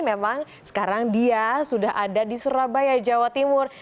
memang sekarang dia sudah ada di surabaya jawa timur